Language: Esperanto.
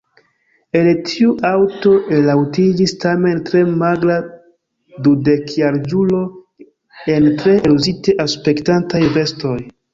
El tiu aŭto elaŭtiĝis tamen tre magra dudekjaraĝulo en tre eluzite aspektantaj vestoj.